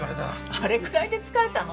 あれぐらいで疲れたの？